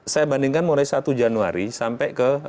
saya bandingkan mulai satu januari sampai ke